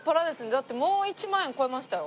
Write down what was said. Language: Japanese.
だってもう１万円超えましたよ。